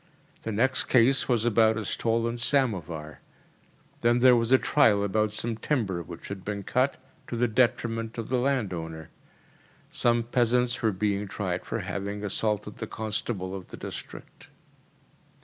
The next case was about a stolen samovar. Then there was a trial about some timber which had been cut, to the detriment of the landowner. Some peasants were being tried for having assaulted the constable of the district.